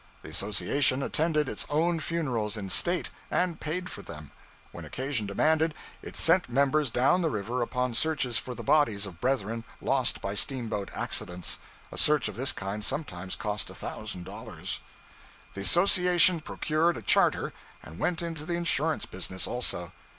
The association attended its own funerals in state, and paid for them. When occasion demanded, it sent members down the river upon searches for the bodies of brethren lost by steamboat accidents; a search of this kind sometimes cost a thousand dollars. The association procured a charter and went into the insurance business, also.